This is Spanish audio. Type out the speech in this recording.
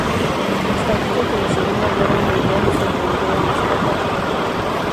El estallido de la segunda guerra mundial le sorprendió en Scapa Flow.